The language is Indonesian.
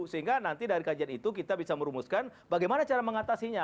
sehingga nanti dari kajian itu kita bisa merumuskan bagaimana cara mengatasinya